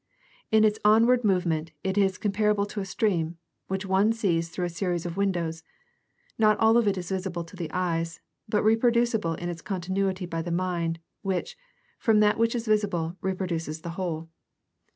In its onward movement it is comparable to a stream, which one sees through a series of windows, not all of it visible to the eyes, but repro ducible in its continuity by the mind, which, from that which is visible, reproduces the whole.